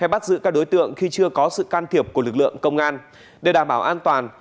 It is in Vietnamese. bắt giữ các đối tượng khi chưa có sự can thiệp của lực lượng công an để đảm bảo an toàn